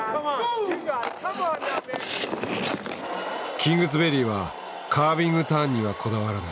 キングズベリーはカービングターンにはこだわらない。